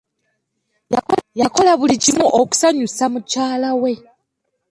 Yakola buli kimu okusanyusa mukyala we.